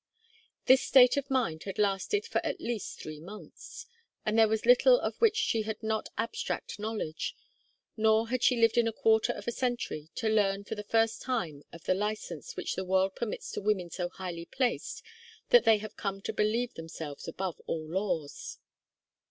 This state of mind had lasted for at least three months. And there was little of which she had not abstract knowledge, nor had she lived a quarter of a century to learn for the first time of the license which the world permits to women so highly placed that they have come to believe themselves above all laws.